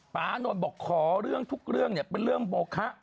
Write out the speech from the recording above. อานนท์บอกขอเรื่องทุกเรื่องเป็นเรื่องโบคะ